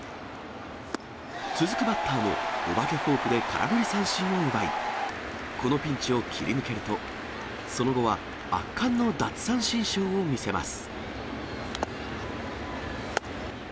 続くバッターも、お化けフォークで空振り三振を奪い、このピンチを切り抜けると、その後は圧巻の奪三振ショーを見せます。